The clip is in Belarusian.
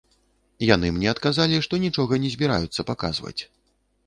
Яны мне адказалі, што нічога не збіраюцца паказваць.